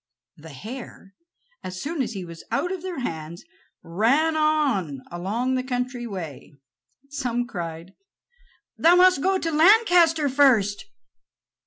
The hare, as soon as he was out of their hands, ran on along the country way. Some cried: "You must go to Lancaster first."